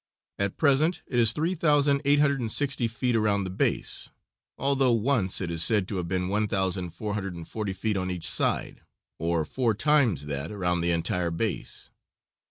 At present it is three thousand eight hundred and sixty feet around the base, although once it is said to have been one thousand four hundred and forty feet on each side, or four times that around the entire base.